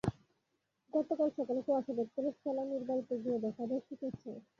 গতকাল সকালে কুয়াশা ভেদ করে ফেলানীর বাড়িতে গিয়ে দেখা যায়, শোকের ছায়া।